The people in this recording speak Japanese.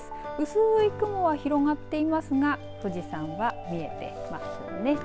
薄い雲が広がっていますが富士山は見えていますね。